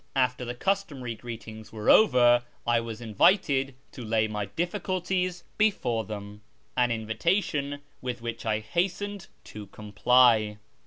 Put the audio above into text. After the customary greetings were over, I was invited to lay my difliculties before him, an invitation with which I hastened to comply.